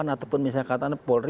ataupun misalnya katanya polri